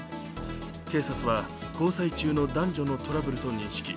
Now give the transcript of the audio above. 警察は交際中の男女のトラブルと認識。